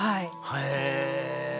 へえ。